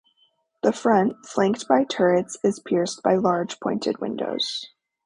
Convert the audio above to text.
The front, flanked by turrets, is pierced by large pointed windows.